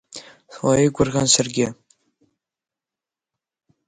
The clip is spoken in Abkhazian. Слеигәырӷьон саргьы.